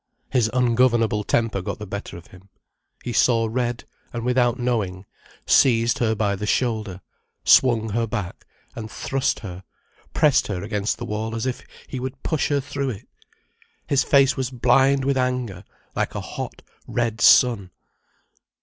His ungovernable temper got the better of him. He saw red, and without knowing, seized her by the shoulder, swung her back, and thrust her, pressed her against the wall as if he would push her through it. His face was blind with anger, like a hot, red sun.